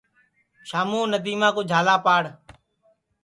شاموں ندیما کُو جھالا پاڑ